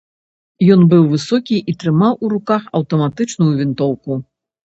Ён быў высокі і трымаў у руках аўтаматычную вінтоўку.